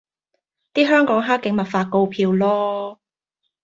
啲香港克警咪發告票囉